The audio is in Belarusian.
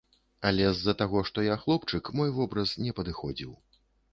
Але з-за таго, што я хлопчык, мой вобраз не падыходзіў.